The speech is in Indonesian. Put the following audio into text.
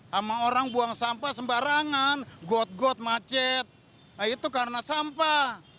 sama orang buang sampah sembarangan got got macet itu karena sampah